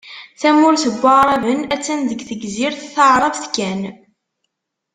Tamurt n Waεraben attan deg Tegzirt Taεrabt kan.